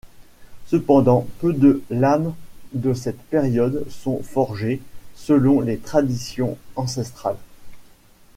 Cependant, peu de lames de cette période sont forgées selon les traditions ancestrales.